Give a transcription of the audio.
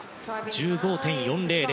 １５．４００。